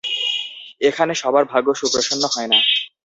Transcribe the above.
এখানে সবার ভাগ্য সুপ্রসন্ন হয় না।